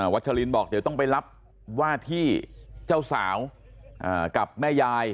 ชลินบอกเดี๋ยวต้องไปรับว่าที่เจ้าสาวกับแม่ยาย